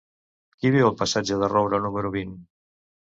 Qui viu al passatge de Roura número vint?